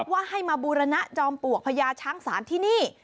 ว่าให้มาบูรณะจอมปลวกพญาช้างศาลที่นี่